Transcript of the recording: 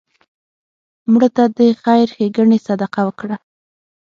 مړه ته د خیر ښیګڼې صدقه وکړه